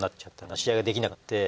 試合ができなくなって。